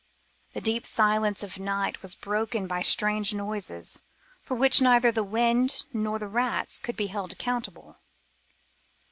The deep silence of night was broken by strange noises for which neither the wind nor the rats could be held accountable.